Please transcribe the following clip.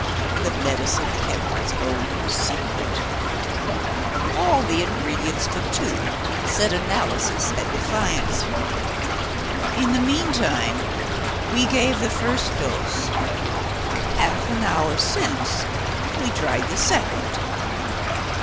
The medicine kept its own secret. All the ingredients but two set analysis at defiance! In the meantime we gave the first dose. Half an hour since we tried the second.